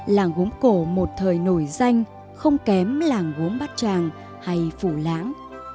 làng gốm cổ một thời nổi danh không kém làng gốm bát tràng hay phủ lãng